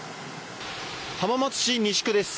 浜松市西区です。